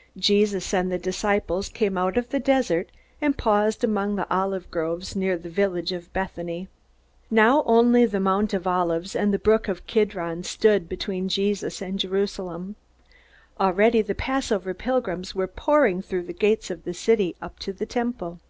'" Jesus and the disciples came out of the desert, and paused among the olive groves near the village of Bethany. Now only the Mount of Olives and the brook called Kidron stood between Jesus and Jerusalem. Already the Passover pilgrims were pouring through the gates of the city and up to the Temple.